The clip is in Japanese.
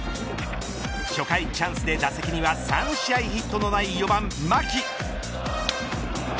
初回、チャンスで打席には３試合ヒットのない４番、牧。